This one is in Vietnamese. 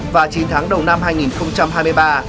và chín tháng đầu năm hai nghìn hai mươi ba